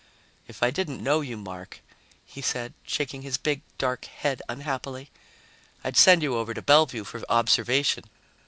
"If I didn't know you, Mark," he said, shaking his big, dark head unhappily, "I'd send you over to Bellevue for observation.